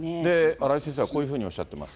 荒井先生はこういうふうにおっしゃっています。